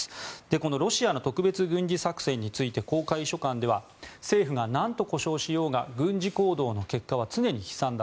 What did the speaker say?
このロシアの特別軍事作戦について公開書簡では政府が何と呼称しようが軍事行動の結果は常に悲惨だ。